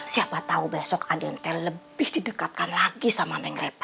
siapa tau besok adente lebih didekatkan lagi sama neng reva